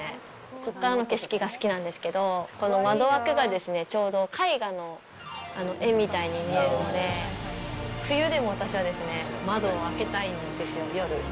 ここからの景色が好きなんですけど、この窓枠がちょうど絵画の絵みたいに見えるので、冬でも私はですね、窓を開けたいんですよ、夜。